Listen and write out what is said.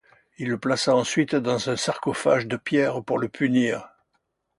Il le plaça ensuite dans un sarcophage de pierre pour le punir.